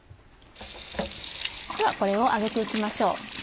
ではこれを揚げて行きましょう。